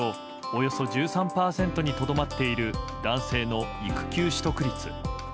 およそ１３％にとどまっている男性の育休取得率。